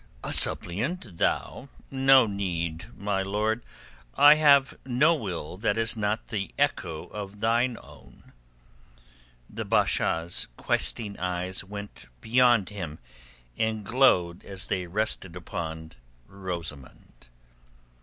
"A suppliant, thou? No need, my lord. I have no will that is not the echo of thine own." The Basha's questing eyes went beyond him and glowed as they rested upon Rosamund.